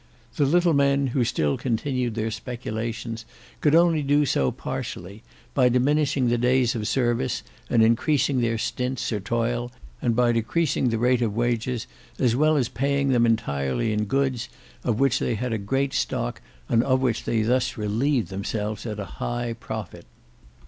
The little men who still continued their speculations could only do so partially, by diminishing the days of service and increasing their stints or toil and by decreasing the rate of wages as well as paying them entirely in goods, of which they had a great stock and of which they thus relieved themselves at a high profit.